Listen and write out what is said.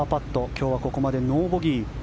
今日はここまでノーボギー。